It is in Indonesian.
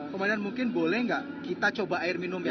komandan mungkin boleh nggak kita coba air minum ya